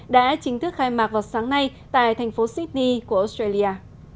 đã chính thức khai mạc vào sáng nay tại thành phố sydney của australia